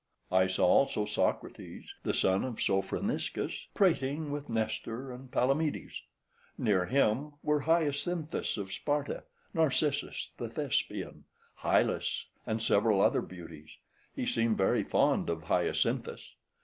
{123c} I saw also Socrates, the son of Sophroniscus, prating with Nestor and Palamedes; near him were Hyacinthus of Sparta, Narcissus the Thespian, Hylas, and several other beauties: he seemed very fond of Hyacinthus.